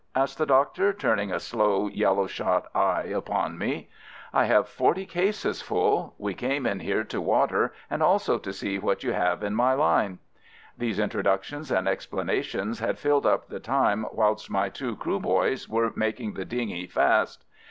asked the Doctor, turning a slow yellow shot eye upon me. "I have forty cases full. We came in here to water, and also to see what you have in my line." These introductions and explanations had filled up the time whilst my two Krooboys were making the dinghy fast.